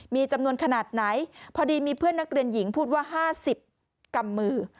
มีจำนวนขนาดไหนพอดีมีเพื่อนนักเรียนหญิงพูดว่า๕๐กำมือ